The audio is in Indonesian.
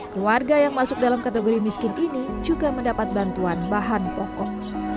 keluarga yang masuk dalam kategori miskin ini juga mendapat bantuan bahan pokok